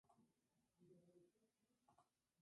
Pertenece a la comarca de Ferrol.